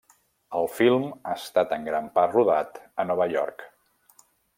El film ha estat en gran part rodat a Nova York.